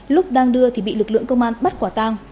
lúc đang đưa thì bị lực lượng công an bắt quả tang